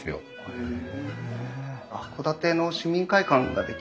へえ。